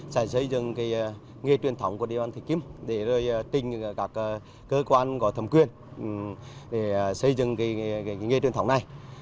sẽ xây dựng nghề truyền thống của địa phương thị kim để tinh các cơ quan có thẩm quyền để xây dựng nghề truyền thống này